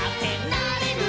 「なれる」